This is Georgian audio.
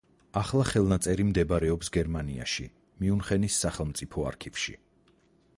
ახლა ხელნაწერი მდებარეობს გერმანიაში, მიუნხენის სახელმწიფო არქივში.